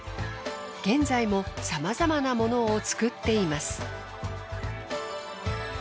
現在もさまざまなものをつくっています。